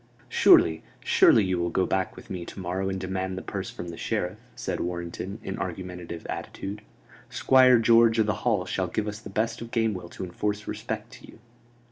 "Surely, surely, you will go back with me to morrow and demand the purse from the Sheriff?" said Warrenton, in argumentative attitude. "Squire George o' th' Hall shall give us the best of Gamewell to enforce respect to you."